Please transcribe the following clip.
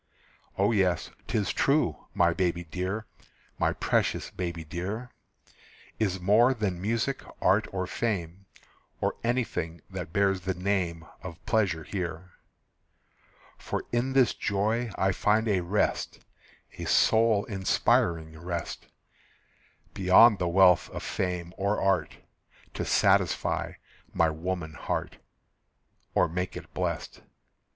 O yes, 'tis true, my baby dear, My precious baby dear, Is more than music, art, or fame, Or anything that bears the name Of pleasure here. For in this joy I find a rest, A soul inspiring rest, Beyond the wealth of fame or art, To satisfy my woman heart, Or make it blest.